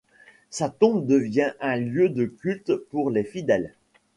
Sa tombe devint un lieu de culte pour les fidèles.